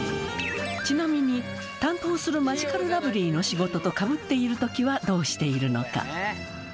ちなみに担当するマヂカルラブリーの仕事とかぶっている時はどうしているのか？